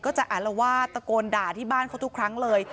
จะอารวาสตะโกนด่าที่บ้านเขาทุกครั้งเลย